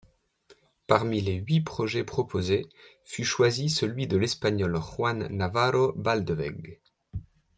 Parmi les huit projets proposés fut choisi celui de l'Espagnol Juan Navarro Baldeweg.